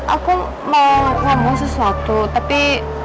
aku mau sesuatu tapi